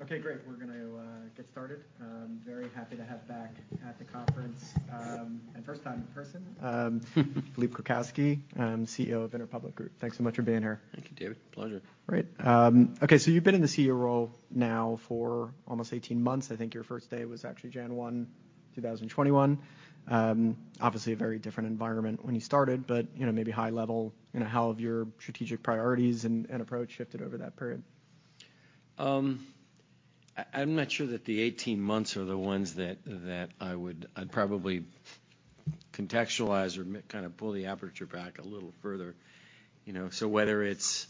Okay, great. We're going to get started. Very happy to have back at the conference and first time in person. Philippe Krakowsky, CEO of Interpublic Group. Thanks so much for being here. Thank you, David. Pleasure. Great. Okay, so you've been in the CEO role now for almost 18 months. I think your first day was actually January 1, 2021. Obviously, a very different environment when you started, but maybe high level, how have your strategic priorities and approach shifted over that period? I'm not sure that the 18 months are the ones that I would probably contextualize or kind of pull the aperture back a little further. So whether it's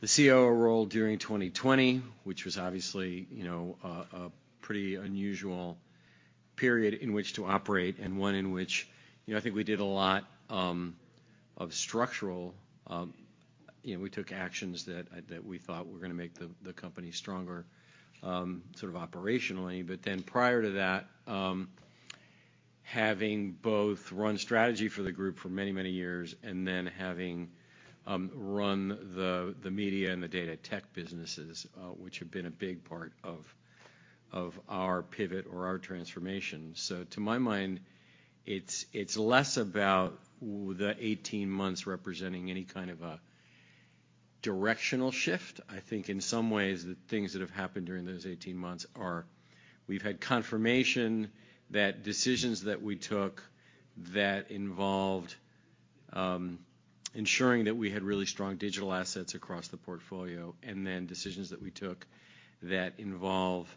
the CEO role during 2020, which was obviously a pretty unusual period in which to operate, and one in which I think we did a lot of structural, we took actions that we thought were going to make the company stronger sort of operationally. But then prior to that, having both run strategy for the group for many, many years, and then having run the media and the data tech businesses, which have been a big part of our pivot or our transformation. So to my mind, it's less about the 18 months representing any kind of a directional shift. I think in some ways the things that have happened during those 18 months are we've had confirmation that decisions that we took that involved ensuring that we had really strong digital assets across the portfolio, and then decisions that we took that involve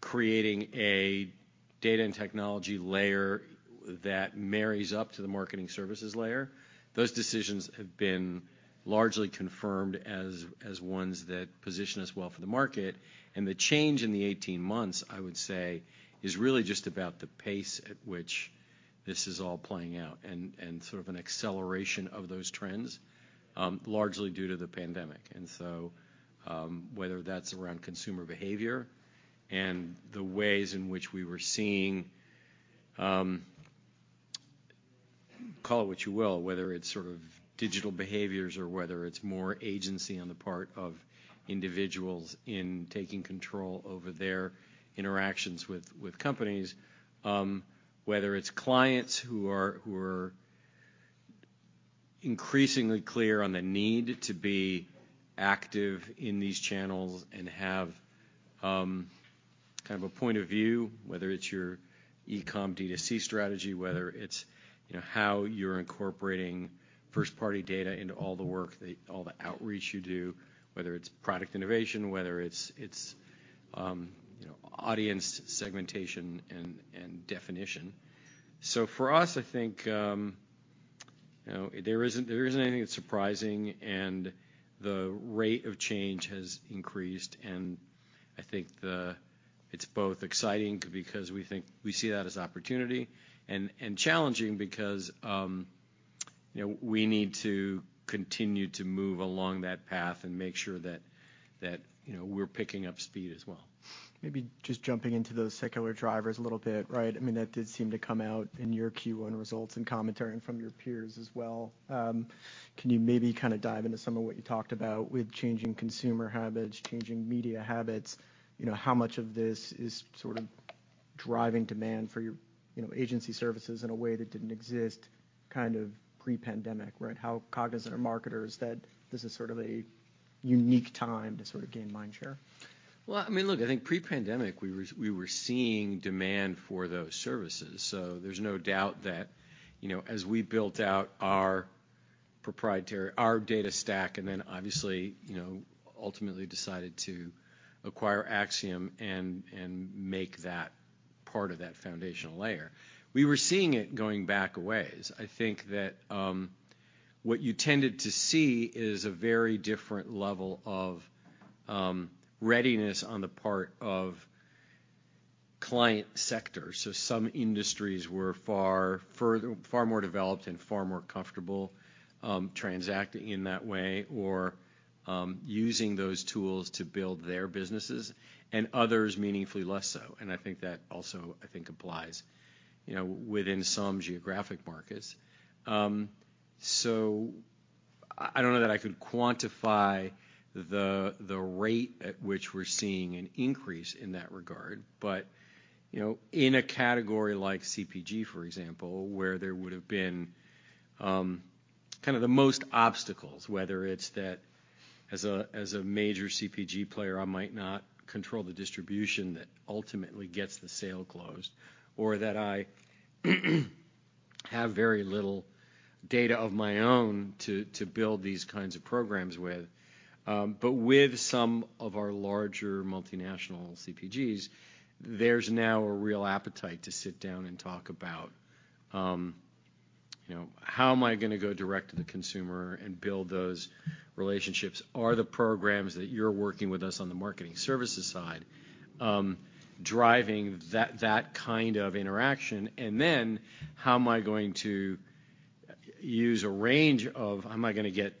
creating a data and technology layer that marries up to the marketing services layer. Those decisions have been largely confirmed as ones that position us well for the market, and the change in the 18 months, I would say, is really just about the pace at which this is all playing out, and sort of an acceleration of those trends, largely due to the pandemic. And so whether that's around consumer behavior and the ways in which we were seeing, call it what you will, whether it's sort of digital behaviors or whether it's more agency on the part of individuals in taking control over their interactions with companies, whether it's clients who are increasingly clear on the need to be active in these channels and have kind of a point of view, whether it's your e-comm D2C strategy, whether it's how you're incorporating first-party data into all the work, all the outreach you do, whether it's product innovation, whether it's audience segmentation and definition, so for us, I think there isn't anything that's surprising, and the rate of change has increased, and I think it's both exciting because we see that as opportunity, and challenging because we need to continue to move along that path and make sure that we're picking up speed as well. Maybe just jumping into those secular drivers a little bit, right? I mean, that did seem to come out in your Q1 results and commentary from your peers as well. Can you maybe kind of dive into some of what you talked about with changing consumer habits, changing media habits? How much of this is sort of driving demand for your agency services in a way that didn't exist kind of pre-pandemic, right? How cognizant are marketers that this is sort of a unique time to sort of gain mind share? Well, I mean, look, I think pre-pandemic we were seeing demand for those services. So there's no doubt that as we built out our data stack, and then obviously ultimately decided to acquire Acxiom and make that part of that foundational layer, we were seeing it going back a ways. I think that what you tended to see is a very different level of readiness on the part of client sectors. So some industries were far more developed and far more comfortable transacting in that way or using those tools to build their businesses, and others meaningfully less so. And I think that also applies within some geographic markets. So I don't know that I could quantify the rate at which we're seeing an increase in that regard. But in a category like CPG, for example, where there would have been kind of the most obstacles, whether it's that as a major CPG player, I might not control the distribution that ultimately gets the sale closed, or that I have very little data of my own to build these kinds of programs with. But with some of our larger multinational CPGs, there's now a real appetite to sit down and talk about how am I going to go direct to the consumer and build those relationships? Are the programs that you're working with us on the marketing services side driving that kind of interaction? And then how am I going to use a range of, am I going to get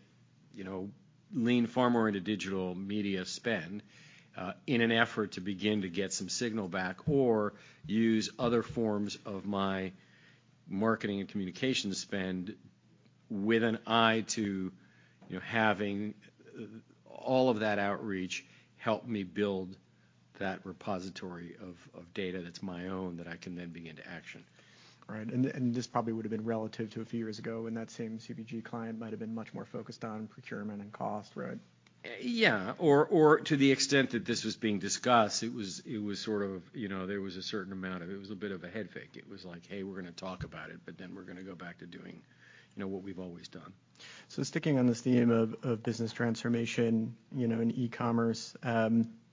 lean far more into digital media spend in an effort to begin to get some signal back, or use other forms of my marketing and communication spend with an eye to having all of that outreach help me build that repository of data that's my own that I can then begin to action? Right. And this probably would have been relative to a few years ago when that same CPG client might have been much more focused on procurement and cost, right? Yeah, or to the extent that this was being discussed, it was sort of there was a certain amount of, it was a bit of a head fake. It was like, "Hey, we're going to talk about it, but then we're going to go back to doing what we've always done. So sticking on this theme of business transformation and e-commerce,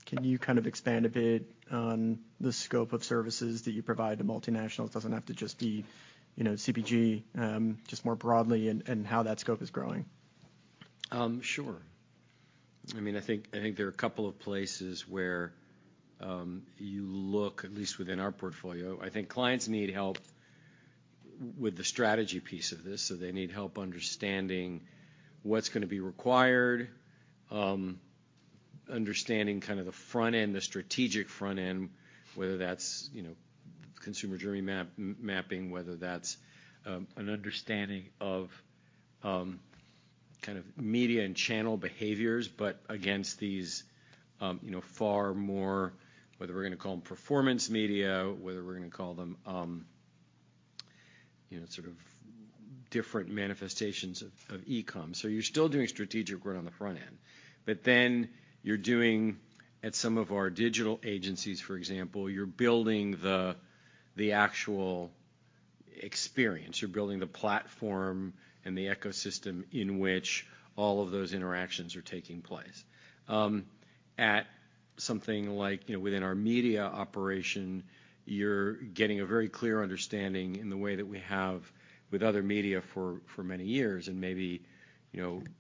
can you kind of expand a bit on the scope of services that you provide to multinationals? It doesn't have to just be CPG, just more broadly and how that scope is growing. Sure. I mean, I think there are a couple of places where you look, at least within our portfolio. I think clients need help with the strategy piece of this. So they need help understanding what's going to be required, understanding kind of the front end, the strategic front end, whether that's consumer journey mapping, whether that's an understanding of kind of media and channel behaviors, but against these far more, whether we're going to call them performance media, whether we're going to call them sort of different manifestations of e-com. So you're still doing strategic growth on the front end. But then you're doing at some of our digital agencies, for example, you're building the actual experience. You're building the platform and the ecosystem in which all of those interactions are taking place. At something like within our media operation, you're getting a very clear understanding in the way that we have with other media for many years, and maybe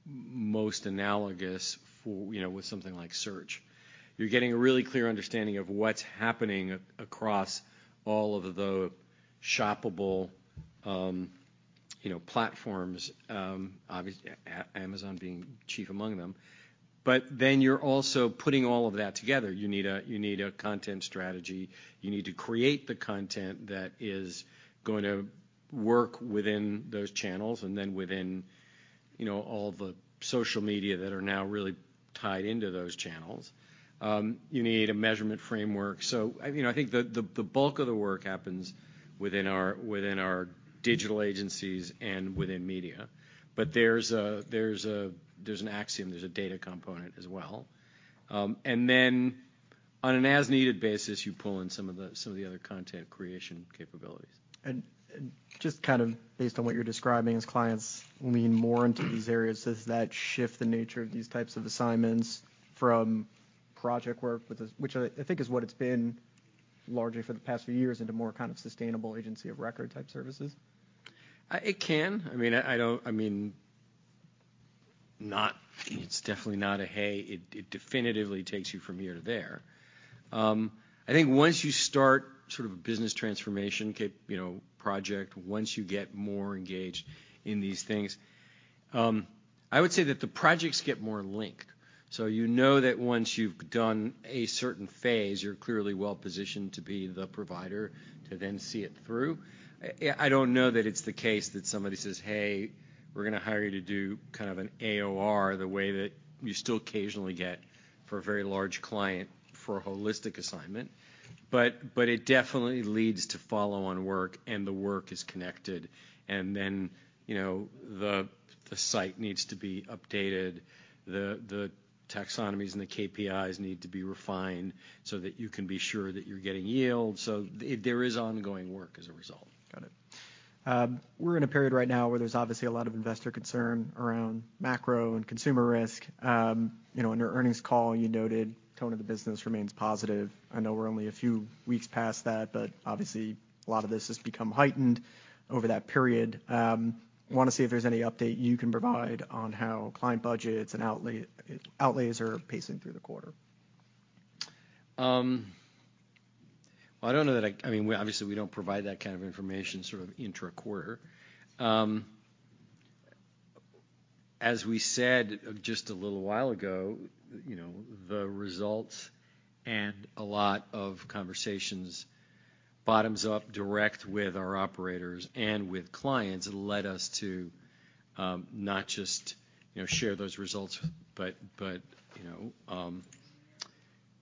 most analogous with something like search. You're getting a really clear understanding of what's happening across all of the shoppable platforms, obviously Amazon being chief among them. But then you're also putting all of that together. You need a content strategy. You need to create the content that is going to work within those channels and then within all the social media that are now really tied into those channels. You need a measurement framework. So I think the bulk of the work happens within our digital agencies and within media. But there's an Acxiom. There's a data component as well. And then on an as-needed basis, you pull in some of the other content creation capabilities. Just kind of based on what you're describing as clients lean more into these areas, does that shift the nature of these types of assignments from project work, which I think is what it's been largely for the past few years, into more kind of sustainable agency of record type services? It can. I mean, it's definitely not a, "Hey, it definitively takes you from here to there." I think once you start sort of a business transformation project, once you get more engaged in these things, I would say that the projects get more linked. So you know that once you've done a certain phase, you're clearly well positioned to be the provider to then see it through. I don't know that it's the case that somebody says, "Hey, we're going to hire you to do kind of an AOR the way that you still occasionally get for a very large client for a holistic assignment." But it definitely leads to follow-on work, and the work is connected. And then the site needs to be updated. The taxonomies and the KPIs need to be refined so that you can be sure that you're getting yield. There is ongoing work as a result. Got it. We're in a period right now where there's obviously a lot of investor concern around macro and consumer risk. In your earnings call, you noted tone of the business remains positive. I know we're only a few weeks past that, but obviously a lot of this has become heightened over that period. I want to see if there's any update you can provide on how client budgets and outlays are pacing through the quarter. Well, I don't know that I—I mean, obviously, we don't provide that kind of information sort of intra-quarter. As we said just a little while ago, the results and a lot of conversations bottoms up direct with our operators and with clients led us to not just share those results, but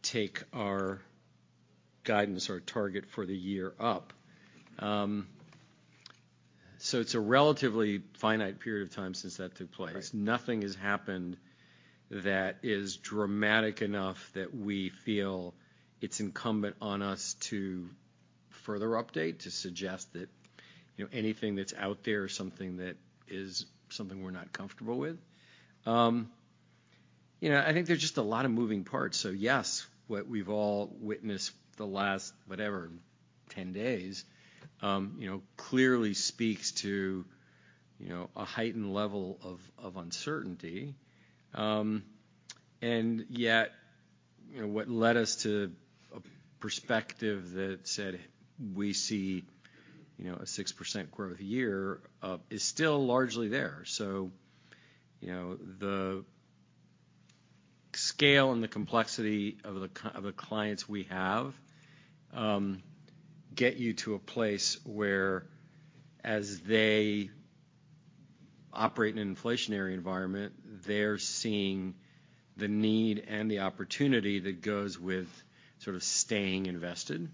take our guidance or target for the year up. So it's a relatively finite period of time since that took place. Nothing has happened that is dramatic enough that we feel it's incumbent on us to further update, to suggest that anything that's out there is something that is something we're not comfortable with. I think there's just a lot of moving parts. So yes, what we've all witnessed the last, whatever, 10 days clearly speaks to a heightened level of uncertainty. And yet what led us to a perspective that said we see a six% growth year is still largely there. So the scale and the complexity of the clients we have get you to a place where, as they operate in an inflationary environment, they're seeing the need and the opportunity that goes with sort of staying invested,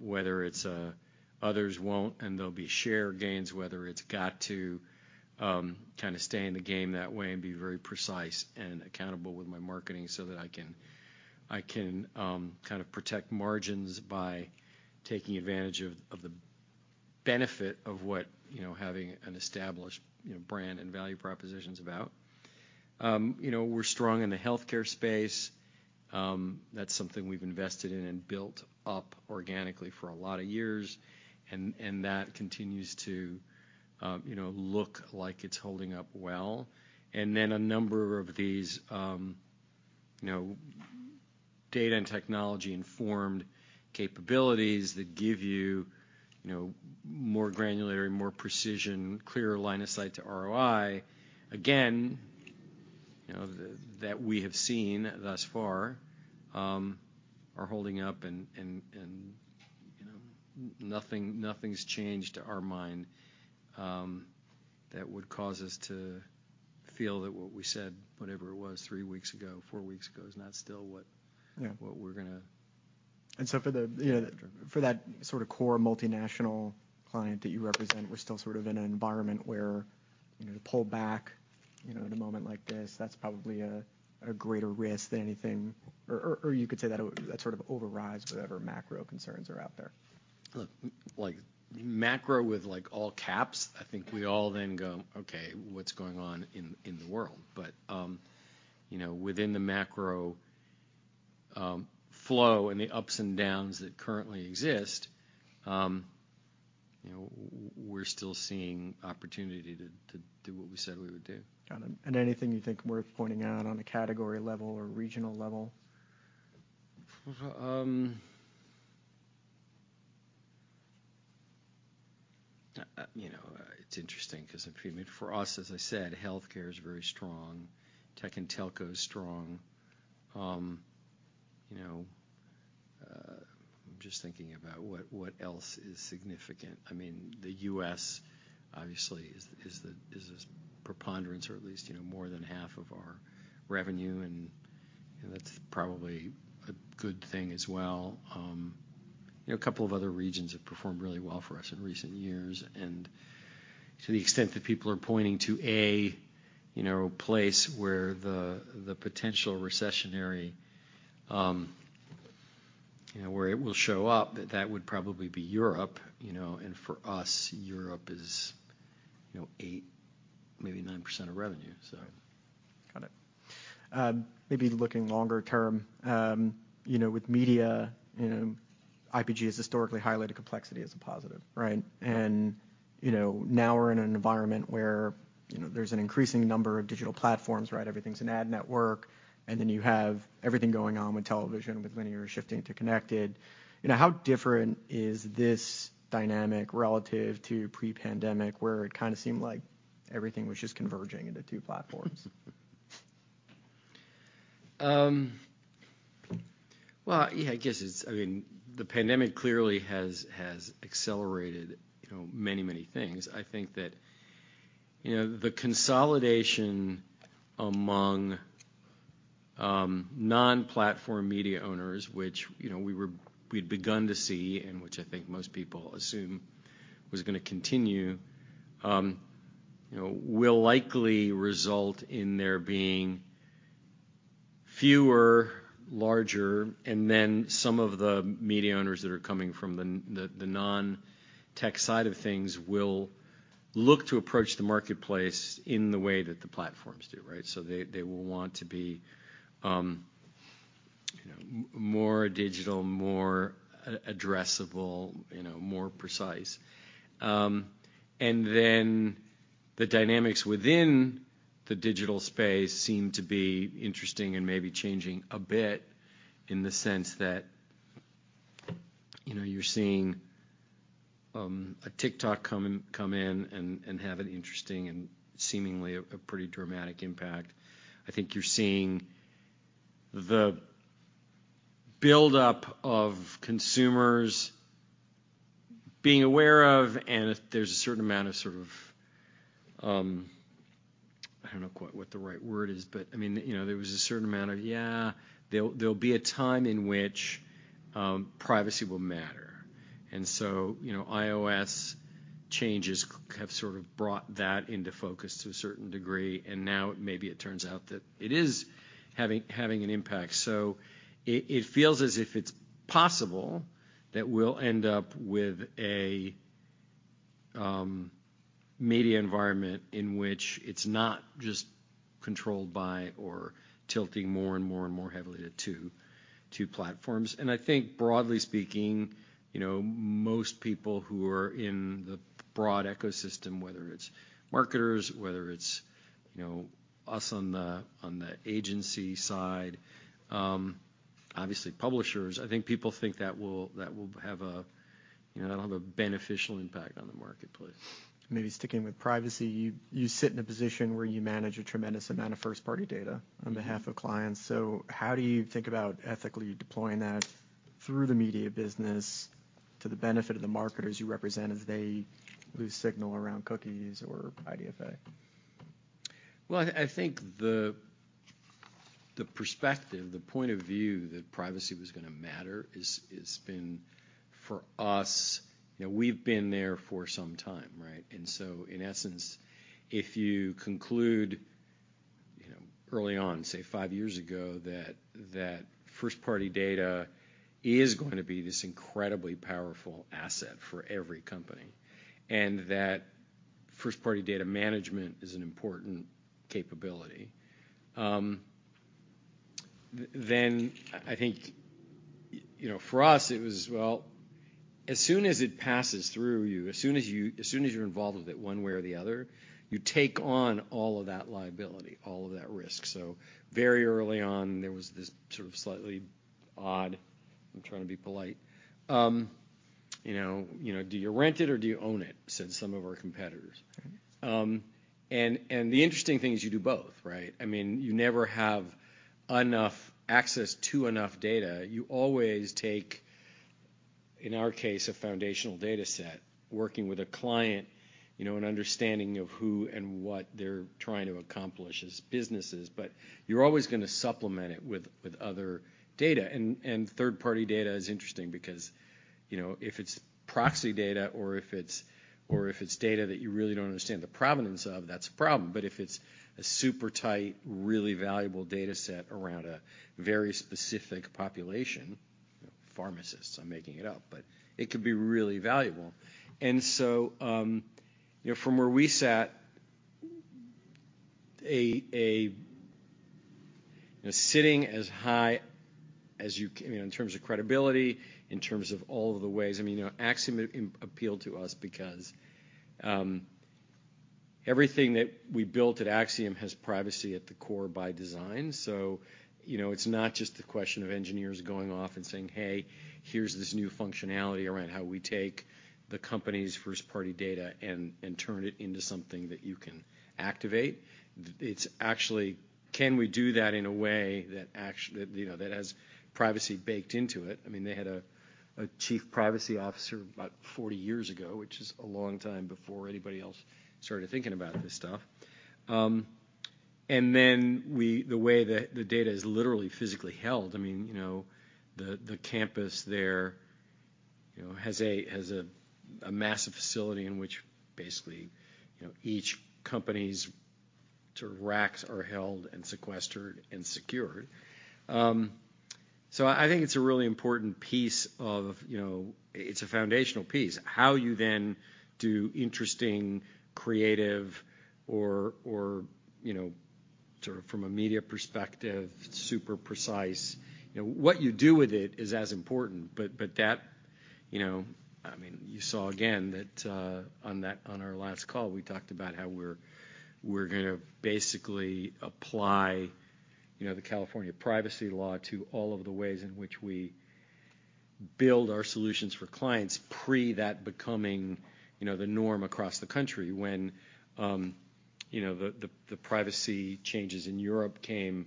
whether it's others won't and there'll be share gains, whether it's got to kind of stay in the game that way and be very precise and accountable with my marketing so that I can kind of protect margins by taking advantage of the benefit of what having an established brand and value propositions about. We're strong in the healthcare space. That's something we've invested in and built up organically for a lot of years, and that continues to look like it's holding up well. And then, a number of these data and technology-informed capabilities that give you more granular, more precision, clear line of sight to ROI, again, that we have seen thus far are holding up, and nothing's changed to our mind that would cause us to feel that what we said, whatever it was three weeks ago, four weeks ago, is not still what we're going to. And so, for that sort of core multinational client that you represent, we're still sort of in an environment where to pull back in a moment like this, that's probably a greater risk than anything. Or you could say that that sort of overrides whatever macro concerns are out there. Look, macro with all caps, I think we all then go, "Okay, what's going on in the world?" But within the macro flow and the ups and downs that currently exist, we're still seeing opportunity to do what we said we would do. Got it. And anything you think worth pointing out on a category level or regional level? It's interesting because for us, as I said, healthcare is very strong. Tech and telco is strong. I'm just thinking about what else is significant. I mean, the U.S. obviously is a preponderance, or at least more than half of our revenue, and that's probably a good thing as well. A couple of other regions have performed really well for us in recent years, and to the extent that people are pointing to a place where the potential recessionary, where it will show up, that would probably be Europe, and for us, Europe is 8%, maybe 9% of revenue, so. Got it. Maybe looking longer term, with media, IPG has historically highlighted complexity as a positive, right, and now we're in an environment where there's an increasing number of digital platforms, right? Everything's an ad network, and then you have everything going on with television, with linear shifting to connected. How different is this dynamic relative to pre-pandemic where it kind of seemed like everything was just converging into two platforms? Yeah, I guess it's, I mean, the pandemic clearly has accelerated many, many things. I think that the consolidation among non-platform media owners, which we had begun to see and which I think most people assume was going to continue, will likely result in there being fewer, larger, and then some of the media owners that are coming from the non-tech side of things will look to approach the marketplace in the way that the platforms do, right? So they will want to be more digital, more addressable, more precise. The dynamics within the digital space seem to be interesting and maybe changing a bit in the sense that you're seeing a TikTok come in and have an interesting and seemingly a pretty dramatic impact. I think you're seeing the buildup of consumers being aware of, and there's a certain amount of sort of, I don't know quite what the right word is, but I mean, there was a certain amount of, "Yeah, there'll be a time in which privacy will matter," and so iOS changes have sort of brought that into focus to a certain degree, and now maybe it turns out that it is having an impact, so it feels as if it's possible that we'll end up with a media environment in which it's not just controlled by or tilting more and more and more heavily to two platforms, and I think, broadly speaking, most people who are in the broad ecosystem, whether it's marketers, whether it's us on the agency side, obviously publishers, I think people think that will have a, that'll have a beneficial impact on the marketplace. Maybe sticking with privacy, you sit in a position where you manage a tremendous amount of first-party data on behalf of clients. So how do you think about ethically deploying that through the media business to the benefit of the marketers you represent as they lose signal around cookies or IDFA? I think the perspective, the point of view that privacy was going to matter has been for us. We've been there for some time, right? And so, in essence, if you conclude early on, say five years ago, that first-party data is going to be this incredibly powerful asset for every company and that first-party data management is an important capability, then I think for us, it was, well, as soon as it passes through you, as soon as you're involved with it one way or the other, you take on all of that liability, all of that risk. So very early on, there was this sort of slightly odd, I'm trying to be polite, "Do you rent it or do you own it?" said some of our competitors. And the interesting thing is you do both, right? I mean, you never have enough access to enough data. You always take, in our case, a foundational data set, working with a client, an understanding of who and what they're trying to accomplish as businesses, but you're always going to supplement it with other data. And third-party data is interesting because if it's proxy data or if it's data that you really don't understand the provenance of, that's a problem. But if it's a super tight, really valuable data set around a very specific population, pharmacists, I'm making it up, but it could be really valuable. And so from where we sat, sitting as high as you can in terms of credibility, in terms of all of the ways, I mean, Acxiom appealed to us because everything that we built at Acxiom has privacy at the core by design. So it's not just the question of engineers going off and saying, "Hey, here's this new functionality around how we take the company's first-party data and turn it into something that you can activate." It's actually, can we do that in a way that has privacy baked into it? I mean, they had a chief privacy officer about 40 years ago, which is a long time before anybody else started thinking about this stuff. And then the way that the data is literally physically held, I mean, the campus there has a massive facility in which basically each company's sort of racks are held and sequestered and secured. So I think it's a really important piece of, it's a foundational piece. How you then do interesting, creative, or sort of from a media perspective, super precise, what you do with it is as important. But that, I mean, you saw again that on our last call, we talked about how we're going to basically apply the California Privacy Law to all of the ways in which we build our solutions for clients pre that becoming the norm across the country. When the privacy changes in Europe came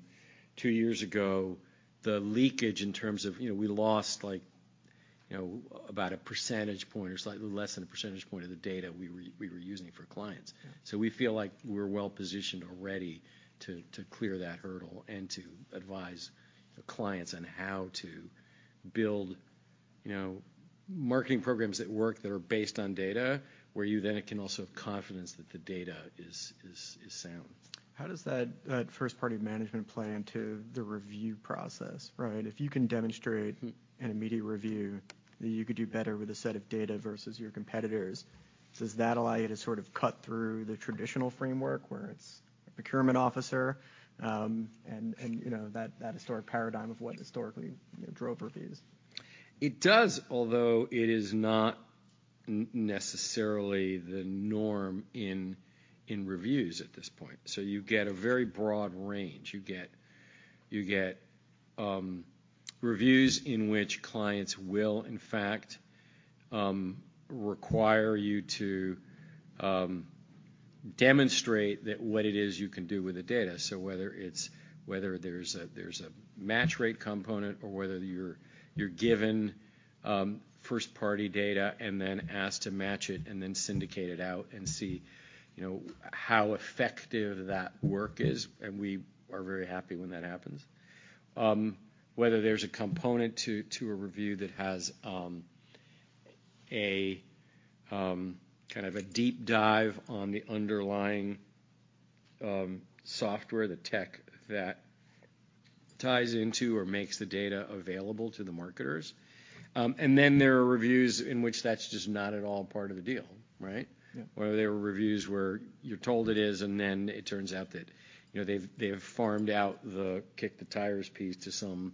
two years ago, the leakage in terms of we lost about a percentage point or slightly less than a percentage point of the data we were using for clients. So we feel like we're well positioned already to clear that hurdle and to advise clients on how to build marketing programs that work that are based on data, where you then can also have confidence that the data is sound. How does that first-party management play into the review process, right? If you can demonstrate in a media review that you could do better with a set of data versus your competitors, does that allow you to sort of cut through the traditional framework where it's a procurement officer and that historic paradigm of what historically drove reviews? It does, although it is not necessarily the norm in reviews at this point, so you get a very broad range. You get reviews in which clients will, in fact, require you to demonstrate what it is you can do with the data, so whether there's a match rate component or whether you're given first-party data and then asked to match it and then syndicate it out and see how effective that work is, and we are very happy when that happens. Whether there's a component to a review that has a kind of a deep dive on the underlying software, the tech that ties into or makes the data available to the marketers, and then there are reviews in which that's just not at all part of the deal, right? Where there are reviews where you're told it is, and then it turns out that they've farmed out the kick-the-tires piece to some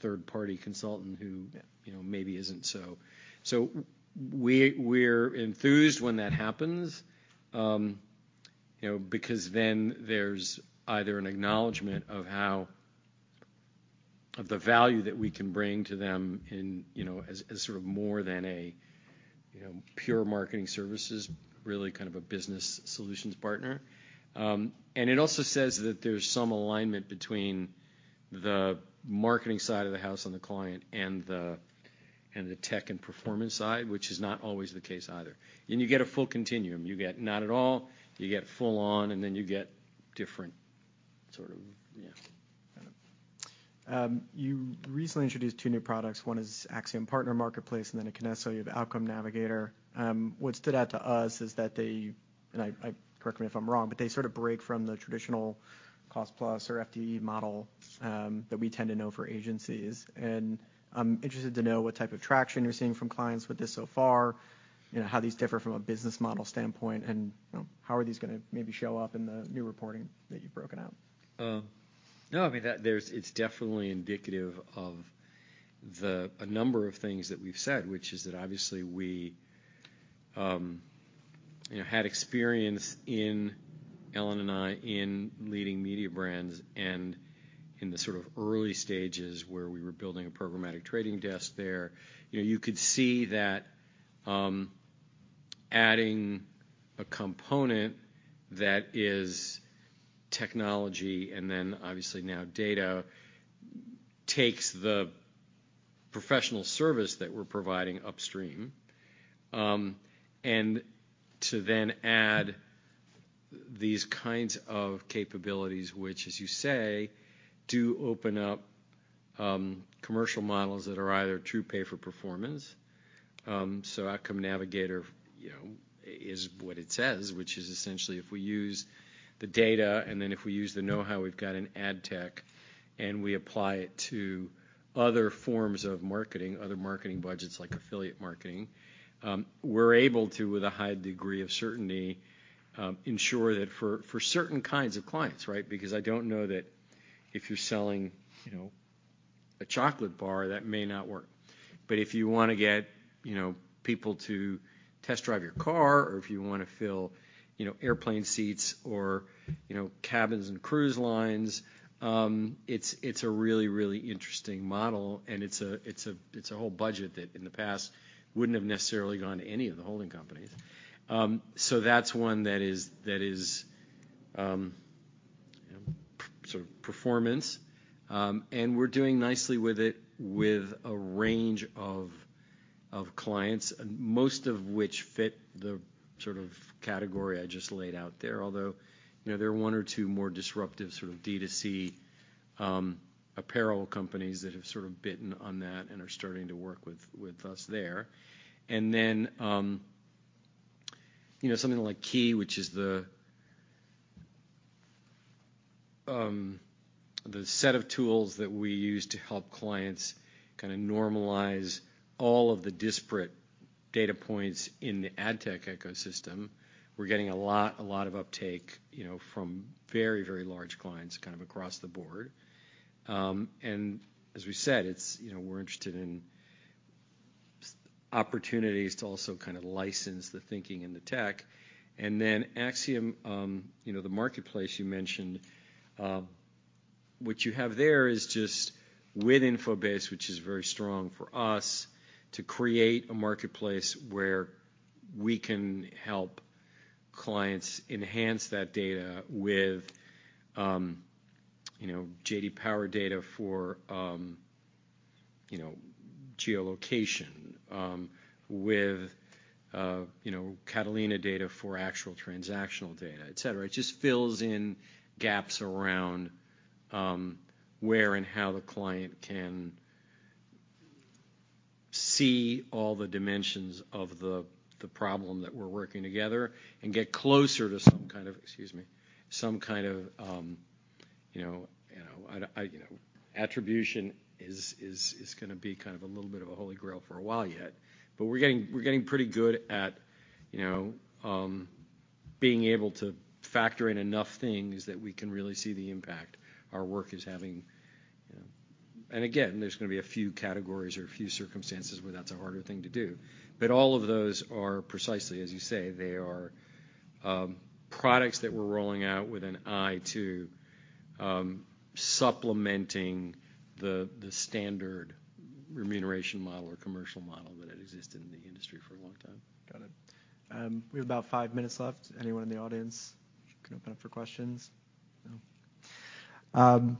third-party consultant who maybe isn't so, so we're enthused when that happens because then there's either an acknowledgment of the value that we can bring to them as sort of more than a pure marketing services, really kind of a business solutions partner, and it also says that there's some alignment between the marketing side of the house on the client and the tech and performance side, which is not always the case either, and you get a full continuum. You get not at all, you get full-on, and then you get different sort of, yeah. Got it. You recently introduced two new products. One is Acxiom Partner Marketplace and then a Kinesso Outcome Navigator. What stood out to us is that they—and correct me if I'm wrong—but they sort of break from the traditional cost-plus or FTE model that we tend to know for agencies, and I'm interested to know what type of traction you're seeing from clients with this so far, how these differ from a business model standpoint, and how are these going to maybe show up in the new reporting that you've broken out? No, I mean, it's definitely indicative of a number of things that we've said, which is that obviously we had experience in, Ellen and I, in leading media brands and in the sort of early stages where we were building a programmatic trading desk there. You could see that adding a component that is technology and then obviously now data takes the professional service that we're providing upstream and to then add these kinds of capabilities, which, as you say, do open up commercial models that are either true pay-for-performance. So Outcome Navigator is what it says, which is essentially if we use the data and then if we use the know-how we've got in ad tech and we apply it to other forms of marketing, other marketing budgets like affiliate marketing, we're able to, with a high degree of certainty, ensure that for certain kinds of clients, right? Because I don't know that if you're selling a chocolate bar, that may not work. But if you want to get people to test drive your car or if you want to fill airplane seats or cabins and cruise lines, it's a really, really interesting model. And it's a whole budget that in the past wouldn't have necessarily gone to any of the holding companies. So that's one that is sort of performance. And we're doing nicely with it with a range of clients, most of which fit the sort of category I just laid out there, although there are one or two more disruptive sort of D2C apparel companies that have sort of bitten on that and are starting to work with us there. And then something like KIE, which is the set of tools that we use to help clients kind of normalize all of the disparate data points in the ad tech ecosystem. We're getting a lot of uptake from very, very large clients kind of across the board. And as we said, we're interested in opportunities to also kind of license the thinking and the tech. And then Acxiom, the marketplace you mentioned. What you have there is just with Infobase, which is very strong for us, to create a marketplace where we can help clients enhance that data with J.D. Power data for geolocation, with Catalina data for actual transactional data, etc. It just fills in gaps around where and how the client can see all the dimensions of the problem that we're working together and get closer to some kind of, excuse me, some kind of attribution is going to be kind of a little bit of a holy grail for a while yet. But we're getting pretty good at being able to factor in enough things that we can really see the impact our work is having. And again, there's going to be a few categories or a few circumstances where that's a harder thing to do. But all of those are precisely, as you say, they are products that we're rolling out with an eye to supplementing the standard remuneration model or commercial model that had existed in the industry for a long time. Got it. We have about five minutes left. Anyone in the audience can open up for questions? No?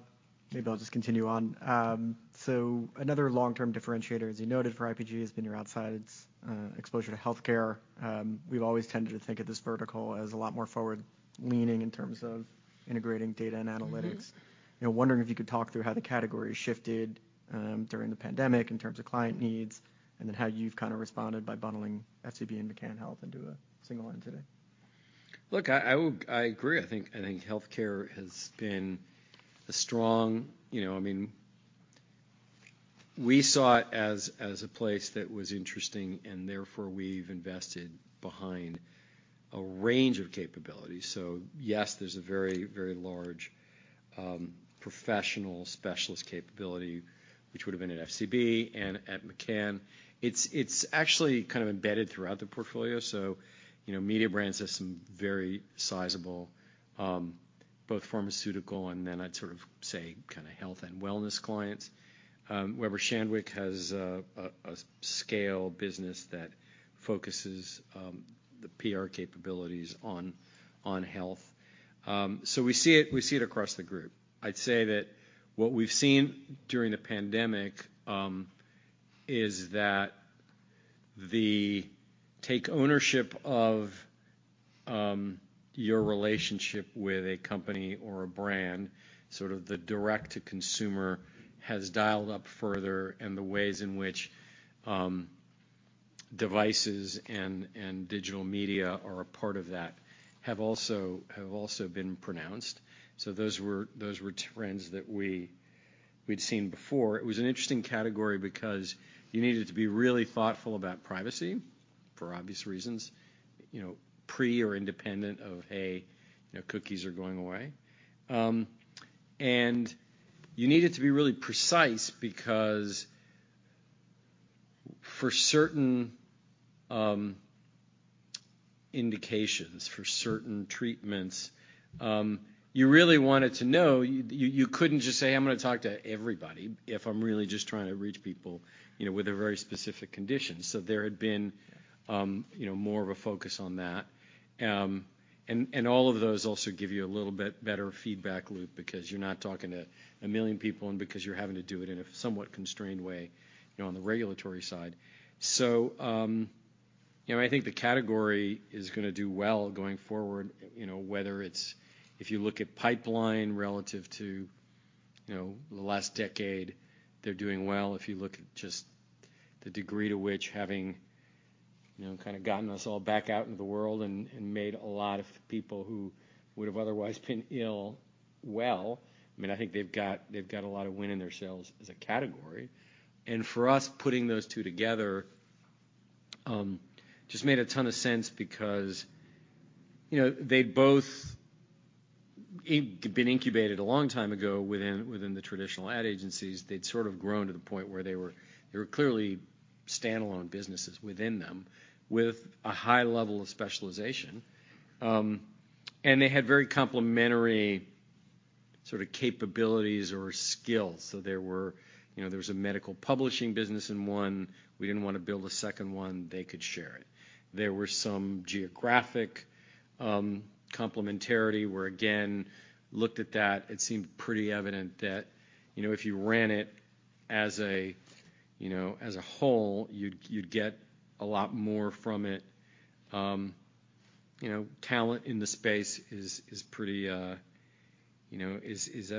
Maybe I'll just continue on. So another long-term differentiator, as you noted, for IPG has been your outsized exposure to healthcare. We've always tended to think of this vertical as a lot more forward-leaning in terms of integrating data and analytics. Wondering if you could talk through how the category shifted during the pandemic in terms of client needs and then how you've kind of responded by bundling FCB and McCann Health into a single entity today. Look, I agree. I think healthcare has been a strong, I mean, we saw it as a place that was interesting, and therefore we've invested behind a range of capabilities. So yes, there's a very, very large professional specialist capability, which would have been at FCB and at McCann. It's actually kind of embedded throughout the portfolio. So Mediabrands have some very sizable, both pharmaceutical and then I'd sort of say kind of health and wellness clients. Weber Shandwick has a scale business that focuses the PR capabilities on health. So we see it across the group. I'd say that what we've seen during the pandemic is that the take ownership of your relationship with a company or a brand, sort of the direct-to-consumer, has dialed up further, and the ways in which devices and digital media are a part of that have also been pronounced. Those were trends that we'd seen before. It was an interesting category because you needed to be really thoughtful about privacy for obvious reasons, pre or independent of, hey, cookies are going away. You needed to be really precise because for certain indications, for certain treatments, you really wanted to know. You couldn't just say, "I'm going to talk to everybody if I'm really just trying to reach people with a very specific condition." There had been more of a focus on that. All of those also give you a little bit better feedback loop because you're not talking to a million people and because you're having to do it in a somewhat constrained way on the regulatory side. I think the category is going to do well going forward, whether it's if you look at pipeline relative to the last decade, they're doing well. If you look at just the degree to which having kind of gotten us all back out into the world and made a lot of people who would have otherwise been ill well, I mean, I think they've got a lot of wind in their sails as a category. And for us, putting those two together just made a ton of sense because they'd both been incubated a long time ago within the traditional ad agencies. They'd sort of grown to the point where they were clearly standalone businesses within them with a high level of specialization. And they had very complementary sort of capabilities or skills. So there was a medical publishing business in one. We didn't want to build a second one. They could share it. There were some geographic complementarity where, again, looked at that, it seemed pretty evident that if you ran it as a whole, you'd get a lot more from it. Talent in the space is pretty at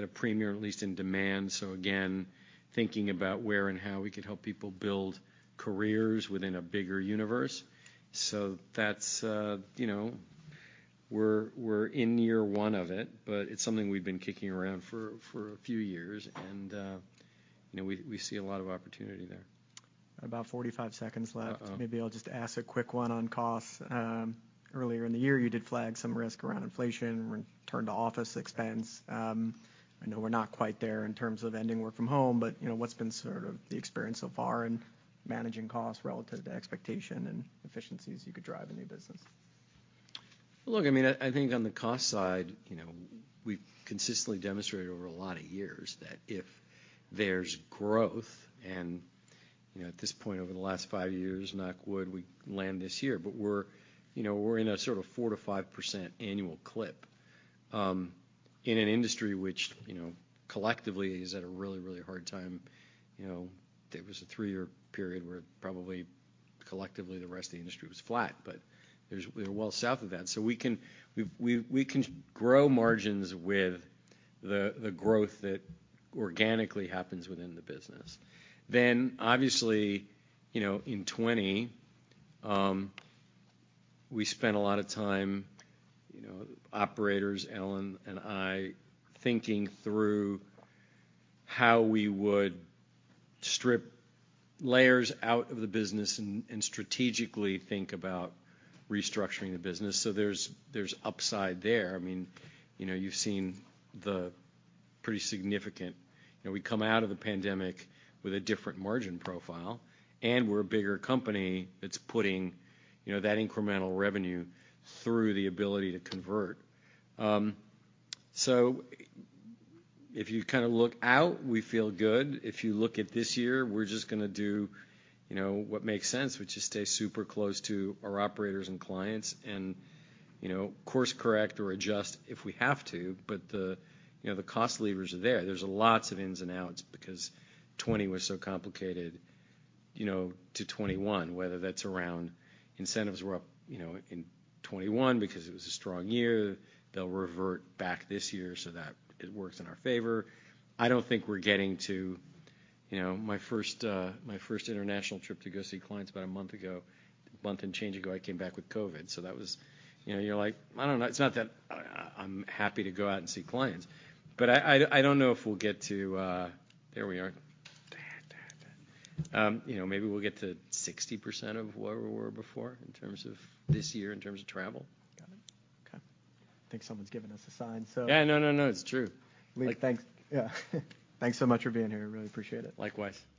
a premium, at least in demand. So again, thinking about where and how we could help people build careers within a bigger universe. So we're in year one of it, but it's something we've been kicking around for a few years, and we see a lot of opportunity there. About 45 seconds left. Maybe I'll just ask a quick one on costs. Earlier in the year, you did flag some risk around inflation and turned to office expense. I know we're not quite there in terms of ending work from home, but what's been sort of the experience so far in managing costs relative to expectation and efficiencies you could drive in your business? Look, I mean, I think on the cost side, we've consistently demonstrated over a lot of years that if there's growth, and at this point over the last five years, knock wood, we land this year, but we're in a sort of 4%-5% annual clip in an industry which collectively is at a really, really hard time. There was a three-year period where probably collectively the rest of the industry was flat, but we're well south of that. So we can grow margins with the growth that organically happens within the business. Then, obviously, in 2020, we spent a lot of time, operators, Ellen and I, thinking through how we would strip layers out of the business and strategically think about restructuring the business. So there's upside there. I mean, you've seen the pretty significant. We come out of the pandemic with a different margin profile, and we're a bigger company that's putting that incremental revenue through the ability to convert. So if you kind of look out, we feel good. If you look at this year, we're just going to do what makes sense, which is stay super close to our operators and clients and course-correct or adjust if we have to, but the cost levers are there. There's lots of ins and outs because 2020 was so complicated to 2021, whether that's around incentives were up in 2021 because it was a strong year, they'll revert back this year so that it works in our favor. I don't think we're getting to. My first international trip to go see clients about a month ago, a month and change ago, I came back with COVID. So that was. You're like, "I don't know." It's not that I'm happy to go out and see clients, but I don't know if we'll get to. There we are. Maybe we'll get to 60% of where we were before in terms of this year, in terms of travel. Got it. Okay. I think someone's given us a sign, so. Yeah. No, no, no. It's true. Lee. Thanks. Yeah. Thanks so much for being here. Really appreciate it. Likewise. Cool.